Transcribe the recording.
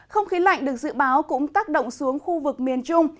không khí lạnh được dự báo cũng tác động xuống khu vực miền trung